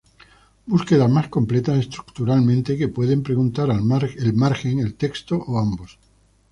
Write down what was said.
Búsquedas más complejas estructuralmente, que pueden preguntar el margen, el texto, o ambos.